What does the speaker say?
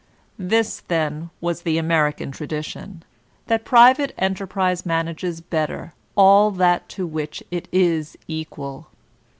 This then was the American tradition, that private enterprise manages better all that to which it is equal.